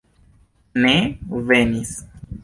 Ne venis.